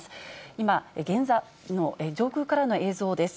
今、上空からの映像です。